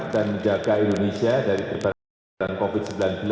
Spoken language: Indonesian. dan menjaga indonesia dari kebanasan covid sembilan belas